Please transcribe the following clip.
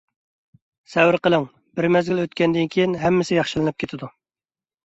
سەۋر قىلىڭ. بىر مەزگىل ئۆتكەندىن كېيىن ھەممىسى ياخشىلىنىپ كېتىدۇ.